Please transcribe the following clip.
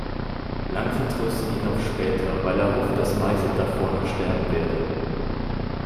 Lang vertröstet ihn auf später, weil er hofft, dass Meisl davor noch sterben werde.